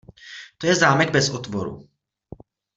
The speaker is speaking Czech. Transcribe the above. To je zámek bez otvoru.